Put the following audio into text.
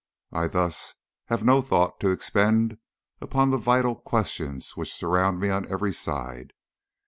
I thus have no thought to expend upon the vital questions which surround me on every side.